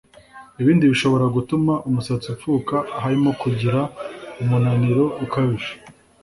Ibindi bishobora gutuma umusatsi upfuka harimo kugira umunaniro ukabije